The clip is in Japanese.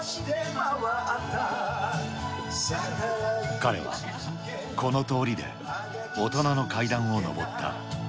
彼はこの通りで大人の階段を上った。